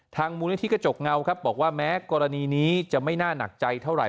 มูลนิธิกระจกเงาครับบอกว่าแม้กรณีนี้จะไม่น่าหนักใจเท่าไหร